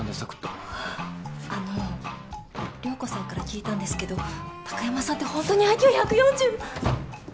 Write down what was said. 涼子さんから聞いたんですけど貴山さんってほんとにＩＱ１４０。